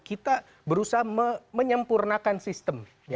kita berusaha menyempurnakan sistem